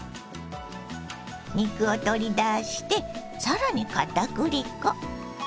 肉を取り出して更にかたくり粉。